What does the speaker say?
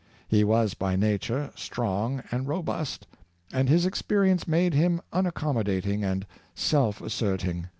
He was by nature strong and robust, and his experience made him unac commodating and self asserting.